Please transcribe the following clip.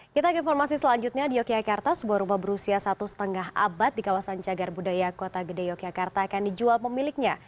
kita ke informasi selanjutnya di yogyakarta sebuah rumah berusia satu lima abad di kawasan cagar budaya kota gede yogyakarta akan dijual pemiliknya